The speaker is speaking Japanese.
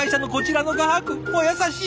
お優しい！